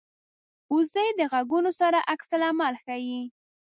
وزې د غږونو سره عکس العمل ښيي